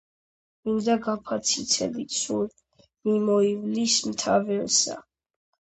მინდია გაფაციცებით სულ მიმოივლის მთა-ველსა.